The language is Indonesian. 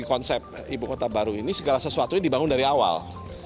konsep ibu kota baru ini segala sesuatunya dibangun dari awal